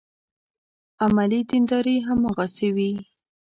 عملي دینداري هماغسې وي.